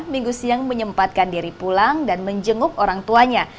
minggu siang menyempatkan diri pulang dan menjenguk orang tuanya